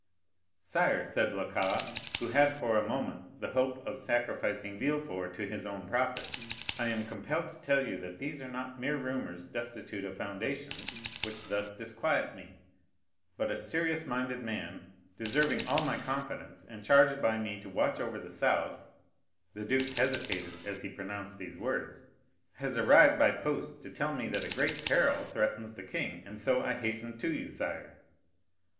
"Sire," said Blacas, who had for a moment the hope of sacrificing Villefort to his own profit, "I am compelled to tell you that these are not mere rumors destitute of foundation which thus disquiet me; but a serious minded man, deserving all my confidence, and charged by me to watch over the south" (the duke hesitated as he pronounced these words), "has arrived by post to tell me that a great peril threatens the king, and so I hastened to you, sire."